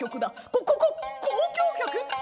「こここ交響曲？」。